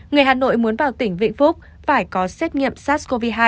người hà nội muốn vào tỉnh vĩnh phúc phải có xét nghiệm sars cov hai